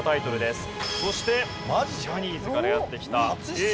そしてジャニーズからやって来たＡぇ！